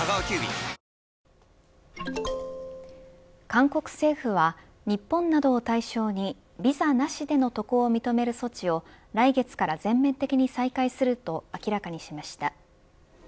韓国政府は日本などを対象にビザなしでの渡航を認める措置を来月から全面的に再開すると明らかにしました。